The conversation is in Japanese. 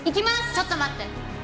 ちょっと待って！